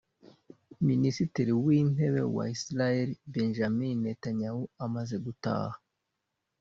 Minisitiri w’Intebe wa Israel Benjamin Netanyahu amaze gutaha